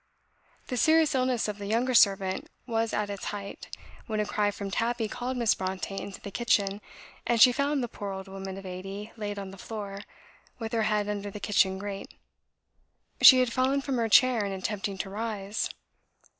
The serious illness of the younger servant was at its height, when a cry from Tabby called Miss Brontë into the kitchen, and she found the poor old woman of eighty laid on the floor, with her head under the kitchen grate; she had fallen from her chair in attempting to rise.